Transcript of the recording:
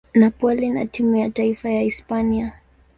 Napoli na timu ya taifa ya Hispania.